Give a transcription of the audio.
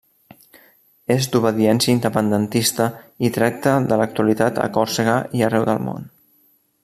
És d'obediència independentista i tracta de l'actualitat a Còrsega i arreu del món.